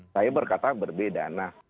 saya berkata berbeda